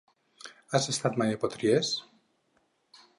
Has estat mai a Potries?